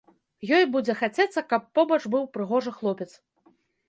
Ёй будзе хацецца, каб побач быў прыгожы хлопец.